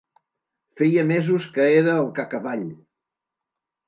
Feia mesos que era el Cacavall.